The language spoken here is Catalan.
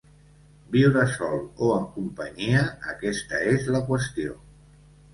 Viure sol o en companyia, aquesta és la qüestió.